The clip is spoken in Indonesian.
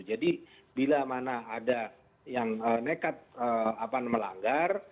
jadi bila mana ada yang nekat melanggar